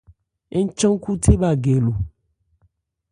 Ń chan khúthé bha gɛ lo.